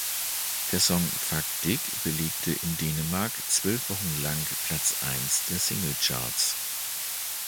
Der Song Fuck dig belegte in Dänemark zwölf Wochen lang Platz eins der Single-Charts.